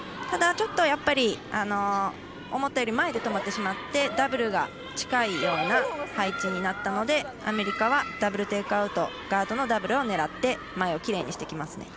ただ、ちょっと思ったより前で止まってしまってダブルが近いような配置になったのでアメリカはダブル・テイクアウトガードのダブルを狙って前をきれいにしてきます。